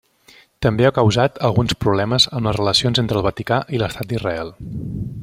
També ha causat alguns problemes amb les relacions entre el Vaticà i l'estat d'Israel.